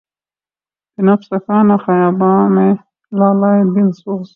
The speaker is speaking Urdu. پنپ سکا نہ خیاباں میں لالۂ دل سوز